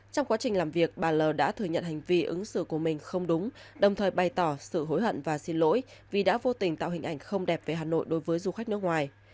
trong quá trình làm việc bà l đã thừa nhận hành vi ứng xử của mình không đúng đồng thời bày tỏ sự hối hận và xin lỗi vì đã vô tình tạo hình ảnh không đẹp về hà nội đối với du khách nước ngoài